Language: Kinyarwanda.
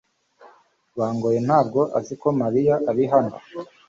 Bangoye ntabwo azi ko Mariya ari hano .